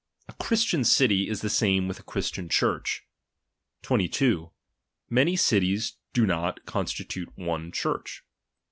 A Christian city is the same with a Christian Church. 22. Many cities do not constitute one Church.